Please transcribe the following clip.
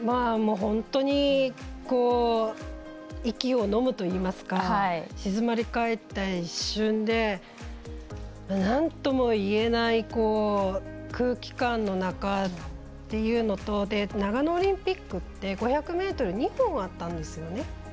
本当に息をのむといいますか静まり返った一瞬でなんとも言えない空気感の中っていうのと長野オリンピックって５００ｍが２本あったんですよね。